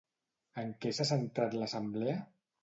En què s'ha centrat l'assemblea?